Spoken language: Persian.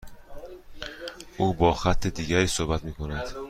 او با خط دیگری صحبت میکند.